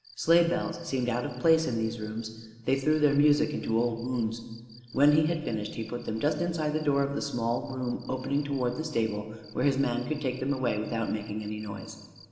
Sleigh bells seemed out of place in these rooms; they threw their music into old wounds. When he had finished, he put them just inside the door of the small room opening toward the stable where his man could take them away without making any noise.